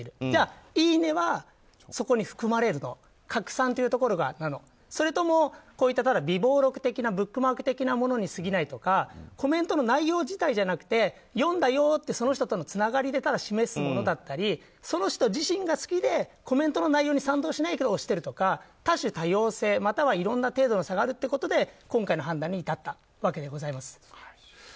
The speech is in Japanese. じゃあ、いいねはそこに含まれるのか拡散というところそれともただ備忘録的なブックマーク的なものに過ぎないとかコメントの内容自体じゃなくて読んだよってその人とのつながりでただ示すものだったりその人自身が好きでそのコメントに賛同して押しているとか多種多様性、いろんな程度の差があるということで、今回の判断に至ったわけでございます。